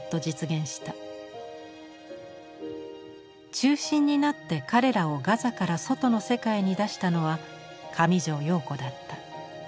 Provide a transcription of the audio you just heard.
中心になって彼らをガザから外の世界に出したのは上條陽子だった。